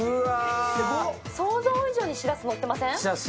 想像以上にしらす、のってません？